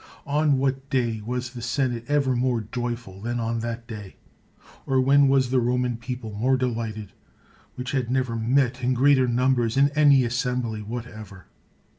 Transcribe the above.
On what day was the senate ever more joyful than on that day? or when was the Roman people more delighted? which had never met in greater numbers in any assembly whatever.